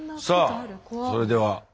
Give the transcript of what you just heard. さあそれでは。